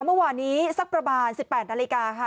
เมื่อวานนี้สักประมาณ๑๘นาฬิกาค่ะ